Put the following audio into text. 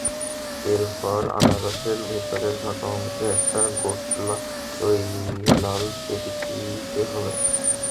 এরপর আনারসের ভেতরের ফাঁকা অংশে একটা গোটা লাল চেরি দিতে হবে।